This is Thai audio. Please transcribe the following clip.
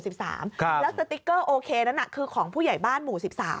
แล้วสติ๊กเกอร์โอเคนั้นคือของผู้ใหญ่บ้านหมู่๑๓